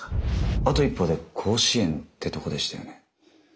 あと一歩で甲子園ってとこでしたよね？